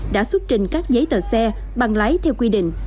đã xuất trình các giấy tờ xe bằng lái theo quy định